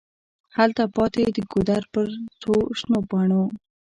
هلته پاتي د ګودر پر څوشنو پاڼو